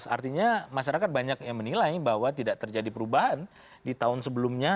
artinya masyarakat banyak yang menilai bahwa tidak terjadi perubahan di tahun sebelumnya